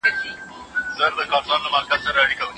کمپيوټر د لمانځه وخت ښيي.